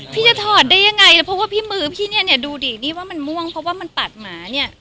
พี่จะถอดได้ยังไงแล้วเพราะว่าพี่มือพี่เนี่ยเนี่ยดูดินี่ว่ามันม่วงเพราะว่ามันปัดหมาเนี่ย